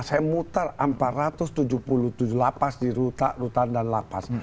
saya mutar empat ratus tujuh puluh tujuh lapas di rutan dan lapas